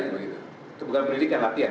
itu bukan pendidikan latihan